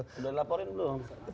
udah dilaporin belum